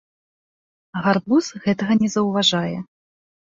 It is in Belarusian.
Гарбуз гэтага не заўважае.